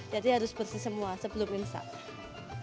jadi harus bersih semua sebelum imsah